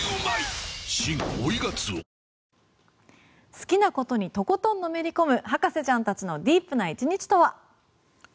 好きなことにとことんのめり込む博士ちゃんたちのディープな１日とは。